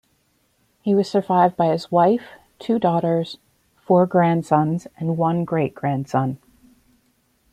He was survived by his wife, two daughters, four grandsons, and one great-grandson.